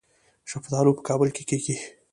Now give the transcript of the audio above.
شفتالو په کابل کې کیږي